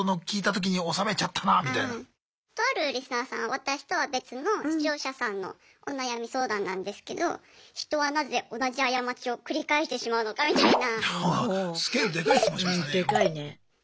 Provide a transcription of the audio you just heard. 私とは別の視聴者さんのお悩み相談なんですけど人はなぜ同じ過ちを繰り返してしまうのかみたいな。